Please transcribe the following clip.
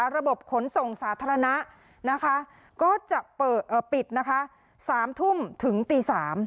ระบบขนส่งสาธารณะก็จะปิด๓ทุ่มถึงตี๓